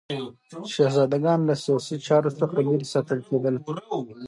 شهزادګان له سیاسي چارو څخه لیرې ساتل کېدل.